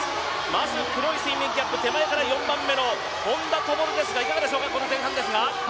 まず黒いスイミングキャップ手前から４番目の本多灯ですがいかがでしょうか、この前半。